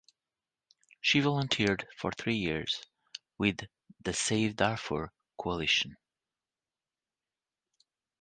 She volunteered for three years with the Save Darfur Coalition.